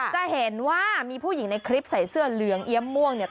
จะเห็นว่ามีผู้หญิงในคลิปใส่เสื้อเหลืองเอี๊ยมม่วงเนี่ย